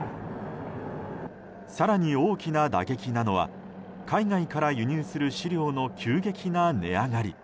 更に、大きな打撃なのは海外から輸入する飼料の急激な値上がり。